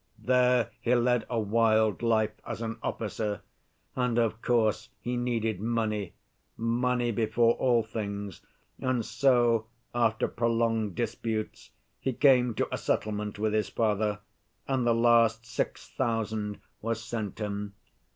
There he led a wild life as an officer. And, of course, he needed money, money before all things, and so after prolonged disputes he came to a settlement with his father, and the last six thousand was sent him.